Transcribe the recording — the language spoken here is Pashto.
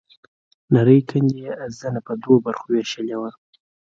نرۍ کندې يې زنه په دوو برخو وېشلې.